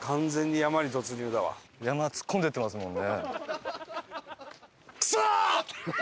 山に突っ込んでいってますもんね。